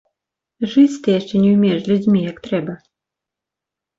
Жыць ты яшчэ не ўмееш з людзьмі, як трэба.